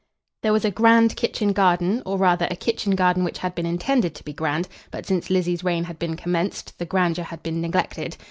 There was a grand kitchen garden, or rather a kitchen garden which had been intended to be grand; but since Lizzie's reign had been commenced, the grandeur had been neglected.